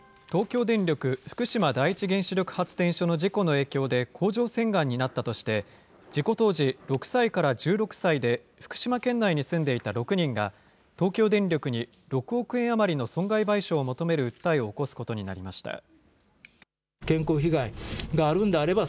東京電力福島第一原子力発電所の事故の影響で甲状腺がんになったとして、事故当時、６歳から１６歳で福島県内に住んでいた６人が、東京電力に６億円余りの損害賠償を求める訴えを起こすことになりました。